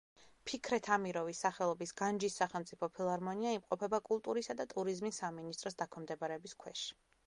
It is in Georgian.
ფიქრეთ ამიროვის სახელობის განჯის სახელმწიფო ფილარმონია იმყოფება კულტურისა და ტურიზმის სამინისტროს დაქვემდებარების ქვეშ.